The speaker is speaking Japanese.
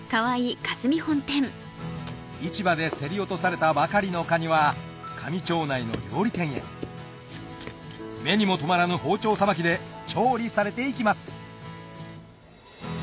市場で競り落とされたばかりのカニは香美町内の料理店へ目にも留まらぬ包丁さばきで調理されていきます